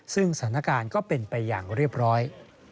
ซึ่งสถานการณ์ก็เป็นไปอย่างเรียบร้อย